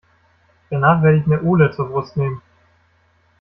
Danach werde ich mir Ole zur Brust nehmen.